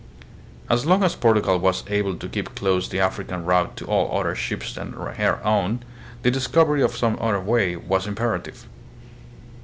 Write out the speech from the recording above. As long as Portugal was able to keep closed the African route to all other ships than her own, the discovery of some other way was imperative.